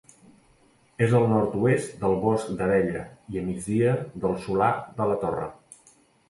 És al nord-oest del Bosc d'Abella i a migdia del Solà de la Torre.